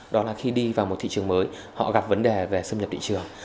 đó là khi đi vào một thị trường mới họ gặp vấn đề về xâm nhập thị trường